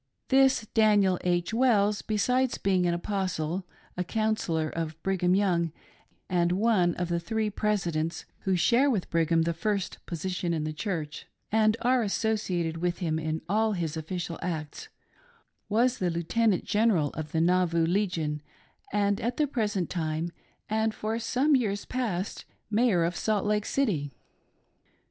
This Daniel H. Wells, besides being an Apostle, a Counsel lor of Brigham Young, and one of the three " Presidents " who share with Brigham the first position in the Church, and are associated with him in all his official acts, was Lieutenant General of the Nauvoo Legion, and at the present time and for some years past, Mayor of Salt Lake City.